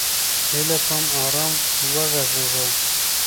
هیله کوم! ارام وغږیږه!